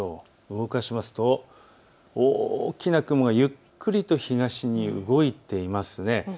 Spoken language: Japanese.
動かしますと大きな雲がゆっくりと東に動いていますね。